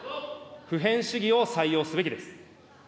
普遍主義を採用すべきです。